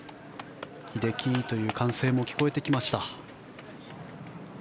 英樹という歓声も聞こえてきました。